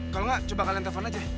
kalau gak coba kalian telepon aja